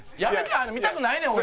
ああいうの見たくないねん俺。